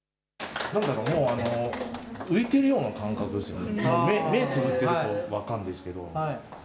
なんだかもう、浮いてるような感覚ですよね。